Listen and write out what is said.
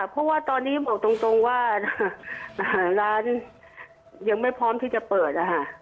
เพราะว่าตอนนี้บอกตรงว่าร้านยังไม่พร้อมที่จะเปิดนะคะ